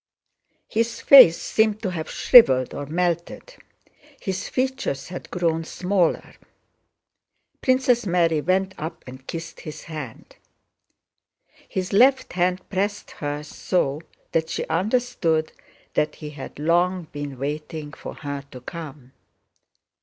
His face seemed to have shriveled or melted; his features had grown smaller. Princess Mary went up and kissed his hand. His left hand pressed hers so that she understood that he had long been waiting for her to come.